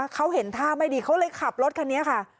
เขาเห็นท่าไม่ดีเขาเลยขับรถคันนี้ค่ะ